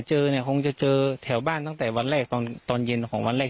เจอเนี่ยคงจะเจอแถวบ้านตั้งแต่วันแรกตอนเย็นของวันแรก